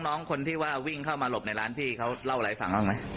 น้องคนที่ว่าวิ่งเข้ามาหลบในร้านพี่เขาเล่าอะไรให้ฟังบ้างไหม